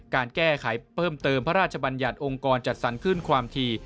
การแก้ไขเพิ่มเติมพระราชบัญญัติองค์กรจัดสรรคลื่นความถี่